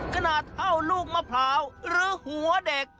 ขนาดเท่าลูกมะพร้าวหรือหัวเด็ก